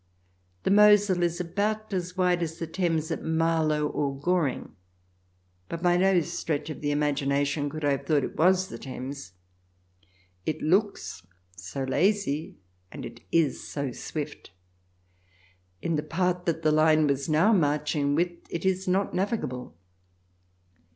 The Mosel is about as wide as the Thames at Marlow or Goring, but by no stretch of the imagina tion could I have thought it was the Thames. It looks so lazy, and it is so swift. In the part that the line was now marching with it is not navigable.